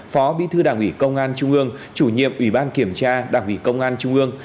phó bí thư đảng ủy công an trung ương chủ nhiệm ủy ban kiểm tra đảng ủy công an trung ương